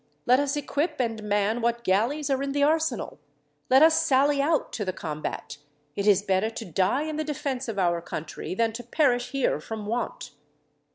Let us equip and man what galleys are in the arsenal! Let us sally out to the combat! It is better to die in the defence of our country, than to perish here from want."